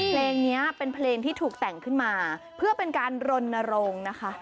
เพลงนี้เป็นเพลงที่ถูกแต่งขึ้นมาเพื่อเป็นการรณรงค์นะคะ